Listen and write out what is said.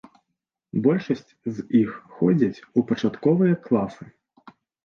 Большасць з іх ходзяць у пачатковыя класы.